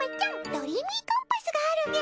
ドリーミーコンパスがあるみ